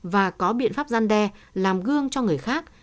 và có biện pháp gian đe làm gương cho người khác